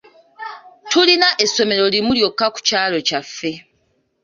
Tulina essomero limu lyokka ku kyalo kyaffe.